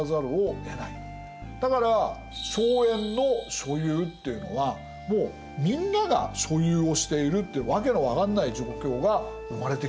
だから荘園の所有っていうのはもうみんなが所有をしているっていう訳の分かんない状況が生まれてきちゃうんです。